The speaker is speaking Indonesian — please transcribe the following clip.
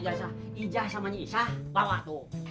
ijazah ijazah ijazah sama nyi isah bawa tuh